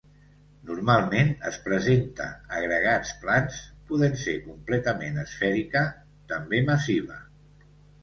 Normalment es presenta agregats plans, podent ser completament esfèrica, també massiva.